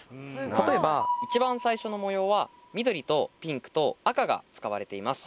例えば一番最初の模様は緑とピンクと赤が使われています。